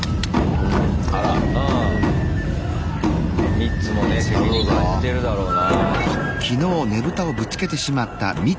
ミッツもね責任感じてるだろうな。